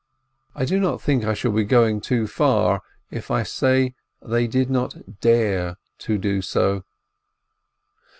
I do not think I shall be going too far if I say they did not dare to do so.